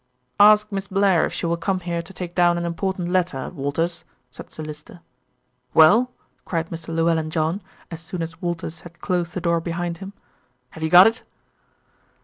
"Ask Miss Blair if she will come here to take down an important letter, Walters," said Sir Lyster. "Well?" cried Mr. Llewellyn John, as soon as Walters had closed the door behind him. "Have you got it?"